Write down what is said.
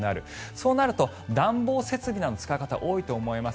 そうなると暖房設備などを使われる方多いと思います。